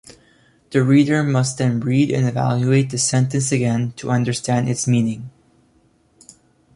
The reader must then read and evaluate the sentence again to understand its meaning.